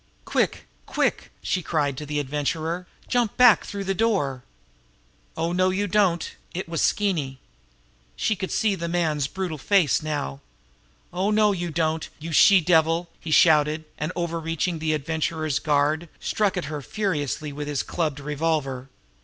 "Quick! Quick!" she cried to the Adventurer. "Jump back through the door." "Oh, no, you don't!" It was Skeeny she could see the man's brutal face now. "Oh, no, you don't, you she devil!" he shouted, and, over reaching the Adventurer's guard, struck at her furiously with his clubbed revolver.